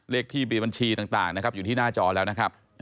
เลขที่บีบัญชีต่างนะครับอยู่ที่หน้าจอแล้วนะครับ